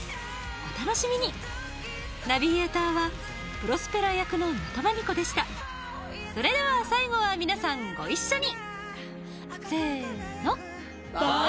お楽しみにナビゲーターはプロスペラ役の能登麻美子でしたそれでは最後は皆さんご一緒に！